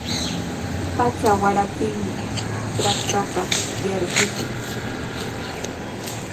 Pacha waraptinmi trakrapa yarqushun.